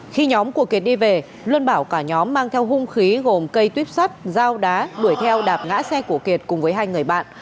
khi nhóm của kiệt đi về luân bảo cả nhóm mang theo hung khí gồm cây tuyếp sắt dao đá đuổi theo đạp ngã xe của phạm